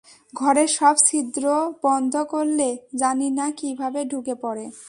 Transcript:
ঘরের সব ছিদ্র বন্ধ করলে জানি না কিভাবে ডুকে পড়ে।